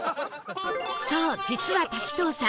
そう実は滝藤さん